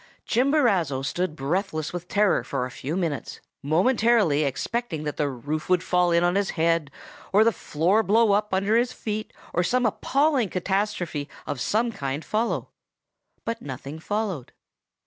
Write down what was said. "Chimborazo stood breathless with terror for a few minutes, momentarily expecting that the roof would fall in on his head, or the floor blow up under his feet, or some appalling catastrophe of some kind follow; but nothing followed.